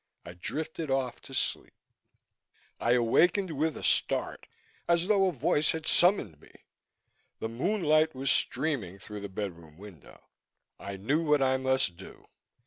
I drifted off to sleep. I awakened with a start, as though a voice had summoned me. The moonlight was streaming through the bedroom window. I knew what I must do.